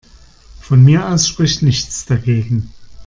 Von mir aus spricht nichts dagegen.